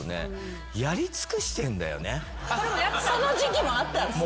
その時期もあったんですね。